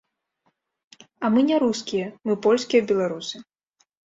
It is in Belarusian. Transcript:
А мы не рускія, мы польскія беларусы.